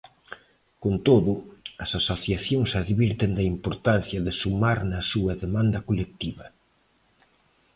Con todo, as asociacións advirten da importancia de sumar na súa demanda colectiva.